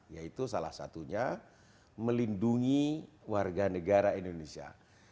yaitu salah satunya melindungi warga negara indonesia